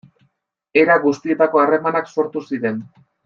Era guztietako harremanak sortu ziren.